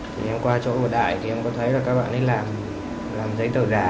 thì em qua chỗ một đại thì em có thấy là các bạn ấy làm giấy tờ giả